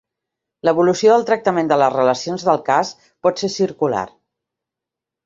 L'evolució del tractament de les relacions del cas pot ser circular.